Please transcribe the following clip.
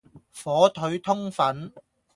火腿通粉